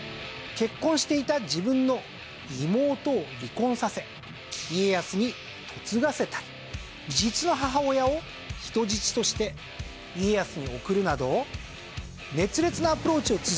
結婚していた自分の妹を離婚させ家康に嫁がせたり実の母親を人質として家康に送るなど熱烈なアプローチを続け